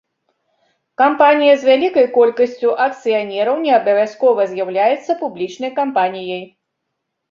Кампанія з вялікай колькасцю акцыянераў не абавязкова з'яўляецца публічнай кампаніяй.